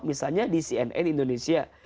misalnya di cnn indonesia